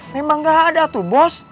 memang gak ada tuh bos